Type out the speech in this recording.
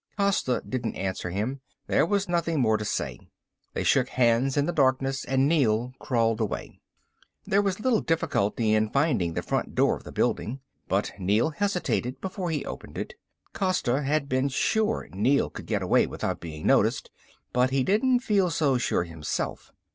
Costa didn't answer him. There was nothing more to say. They shook hands in the darkness and Neel crawled away. There was little difficulty in finding the front door of the building, but Neel hesitated before he opened it. Costa had been sure Neel could get away without being noticed, but he didn't feel so sure himself.